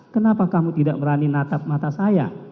kenapa kamu tidak berani natap mata saya